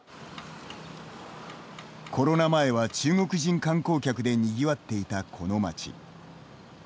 コロナ前は中国人観光客でにぎわっていたこの町。